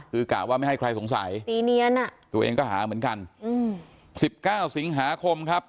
คือกะว่าไม่ให้ใครสงสัยตีเนียนอ่ะตัวเองก็หาเหมือนกัน๑๙สิงหาคมครับ